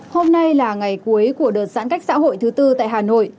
hôm nay là ngày cuối của đợt giãn cách xã hội thứ tư tại hà nội